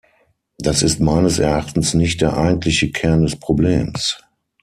Das ist meines Erachtens nicht der eigentliche Kern des Problems.